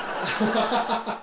ハハハハ！